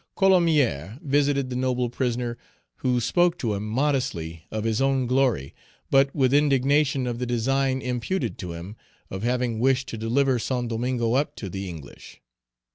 Colomier visited the noble prisoner, who spoke to him modestly of his own glory, but with indignation of the design imputed to him of having wished to deliver Saint Domingo up to the English.